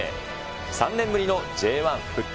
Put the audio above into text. ３年ぶりのＪ１復帰。